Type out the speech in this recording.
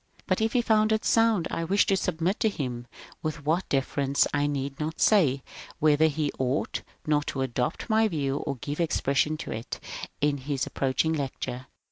But if he found it sound I wished to submit to him, with what deference I need not say, whether he ought not to adopt my view and give expression to it in his ap proaching lecture.